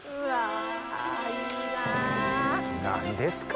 何ですか！